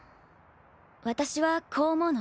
私はこう思うの。